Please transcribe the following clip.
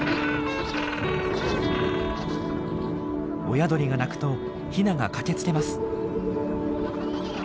親鳥が鳴くとヒナが駆けつけます。